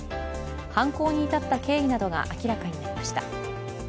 犯行に至った経緯などが明らかになりました。